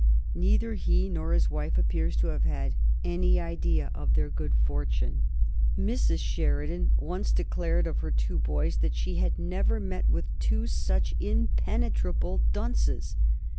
Neither he nor his wife appears to have had any idea of their good fortune. Mrs. Sheridan once declared of her two boys that she had never met with "two such impenetrable dunces."